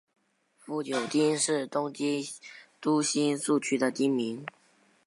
富久町是东京都新宿区的町名。